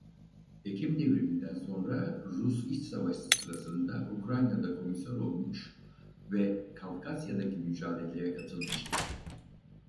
Ekim Devriminden sonra Rus İç Savaşı sırasında Ukrayna'da komiser olmuş ve Kafkasya'daki mücadeleye katılmıştır.